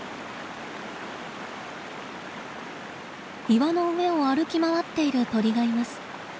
岩の上を歩き回っている鳥がいます。